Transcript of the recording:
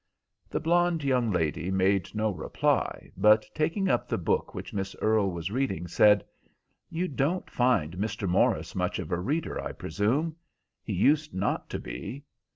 The blonde young lady made no reply, but, taking up the book which Miss Earle was reading, said, "You don't find Mr. Morris much of a reader, I presume? He used not to be."